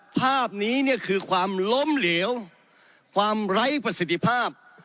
ภาพนี้เนี่ยคือความล้มเหลวความไร้ประสิทธิภาพ